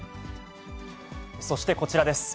そしてこちらです。